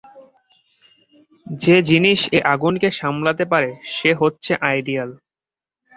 যে জিনিস এ আগুনকে সামলাতে পারে সে হচ্ছে আইডিয়াল।